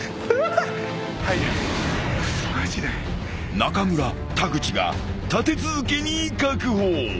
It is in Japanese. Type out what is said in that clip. ［中村田口が立て続けに確保］